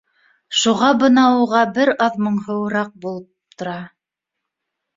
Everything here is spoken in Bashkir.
Шуға бына уға бер аҙ моңһоуыраҡ булып тора